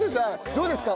どうですか？